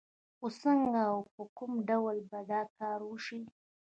خو څنګه او په کوم ډول به دا کار وشي؟